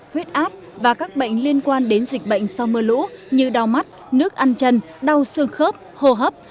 huyết áp và các bệnh liên quan đến dịch bệnh sau mưa lũ như đau mắt nước ăn chân đau xương khớp hô hấp